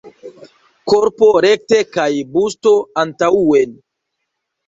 Korpo rekte kaj busto antaŭen.